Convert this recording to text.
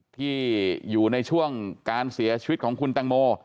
ที่อยู่ในช่วงการเสียชีวิตของคุณตังโม